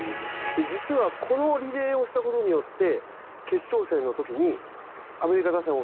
実はこのリレーをしたことによって。